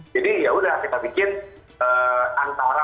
jadi ya udah kita bikin antara